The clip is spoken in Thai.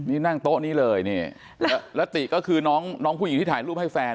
นี่นั่งโต๊ะนี้เลยนี่แล้วติก็คือน้องผู้หญิงที่ถ่ายรูปให้แฟน